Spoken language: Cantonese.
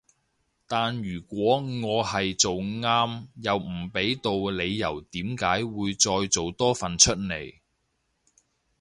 但如果我係做啱又畀唔到理由點解會再做多份出嚟